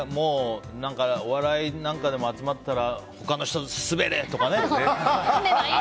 お笑いなんかでも集まったら他の人にすべれ！とか。